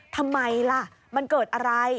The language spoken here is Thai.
ทำไมล่ะมันเกิดอะไร